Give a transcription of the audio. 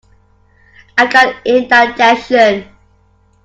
I've got indigestion.